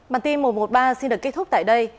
bản tin một trăm một mươi ba xin được kết thúc tại đây